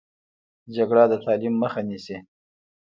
جګړه د تعلیم مخه نیسي